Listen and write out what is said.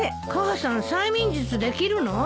母さん催眠術できるの？